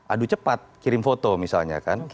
aduh cepat kirim foto misalnya kan